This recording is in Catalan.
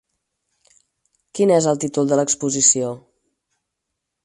Quin és el títol de l'exposició?